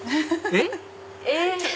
えっ？